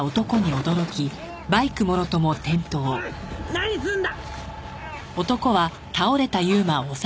何すんだ！